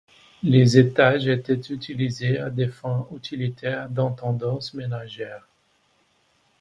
Les étages étaient utilisés à des fins utilitaires d'intendance ménagère.